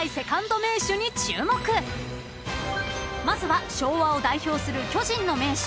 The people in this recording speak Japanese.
［まずは昭和を代表する巨人の名手］